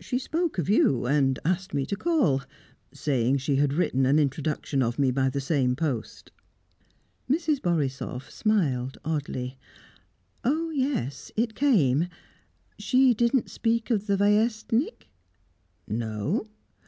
She spoke of you, and asked me to call saying she had written an introduction of me by the same post." Mrs. Borisoff smiled oddly. "Oh yes; it came. She didn't speak of the Vyestnik?" "No."